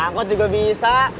naik angkot juga bisa